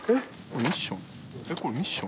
ミッション？